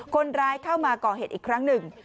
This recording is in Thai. คนร้ายเข้ามาก่อเหตุอีกครั้งหนึ่ง